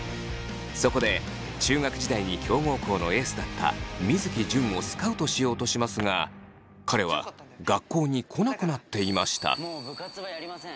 そこで中学時代に強豪校のエースだった水城純をスカウトしようとしますが彼は学校に来なくなっていました。